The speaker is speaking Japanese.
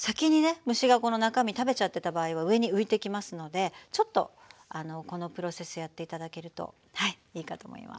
虫がこの中身食べちゃってた場合は上に浮いてきますのでちょっとこのプロセスやって頂けるといいかと思います。